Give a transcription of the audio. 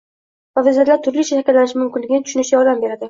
va vaziyatlar turlicha shakllanishi mumkinligini tushunishida yordam beradi.